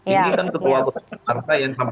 ini kan ketua ketua partai yang